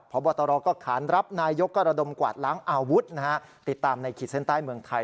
พบตรก็ขานรับนายกก็ระดมกวาดล้างอาวุธนะฮะติดตามในขีดเส้นใต้เมืองไทย